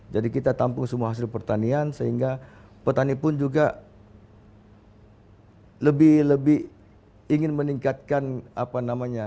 jadi kita tampung semua hasil pertanian sehingga petani pun juga lebih lebih ingin meningkatkan apa namanya